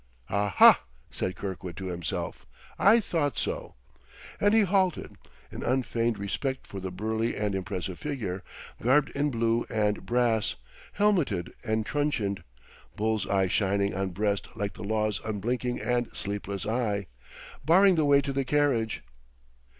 "Aha!" said Kirkwood to himself. "I thought so." And he halted, in unfeigned respect for the burly and impressive figure, garbed in blue and brass, helmeted and truncheoned, bull's eye shining on breast like the Law's unblinking and sleepless eye, barring the way to the carriage.